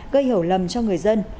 gây hổ lầm cho người dân